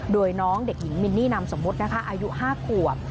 โดยน้องเด็กหญิงมินนี่นามสมมุตินะคะอายุ๕ขวบ